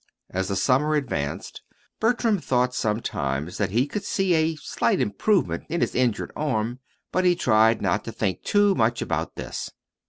As the summer advanced, Bertram thought sometimes that he could see a slight improvement in his injured arm; but he tried not to think too much about this.